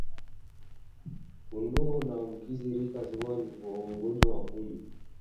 Kondoo na mbuzi wa rika zote huathirika na ugonjwa wa pumu